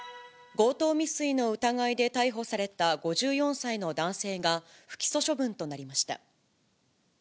強盗未遂の疑いで逮捕された５４歳の男性が、不起訴処分となりました。